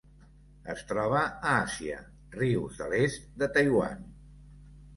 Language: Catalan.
Es troba a Àsia: rius de l'est de Taiwan.